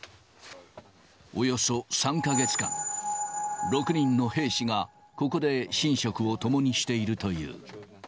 およそ３か月間、６人の兵士がここで寝食を共にしているという。